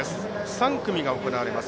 ３組が行われます。